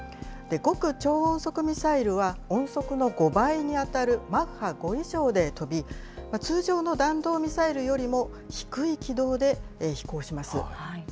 極超音速ミサイルは音速の５倍に当たるマッハ５以上で飛び、通常の弾道ミサイルよりも低い軌道で飛行します。